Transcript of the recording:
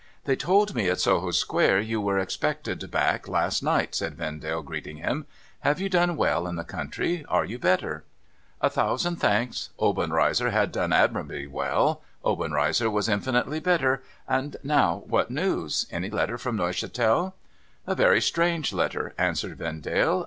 ' They told me at Soho square you were expected back last night,' said Vendale, greeting him. ' Have you done well in the country ? Are you better ?' A thousand thanks. Obenreizer had done admirably well; Obenreizer was infinitely better. And now, what news ? Any letter from Neuchatel ?' A very strange letter,' answered Vendale.